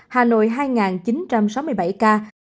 hà nội hai chín trăm sáu mươi bảy ca